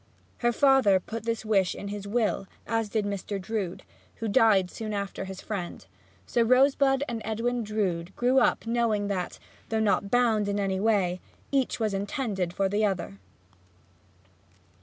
Her father put this wish in his will, as did Mr. Drood, who died also soon after his friend, and so Rosebud and Edwin Drood grew up knowing that, though not bound in any way, each was intended for the other.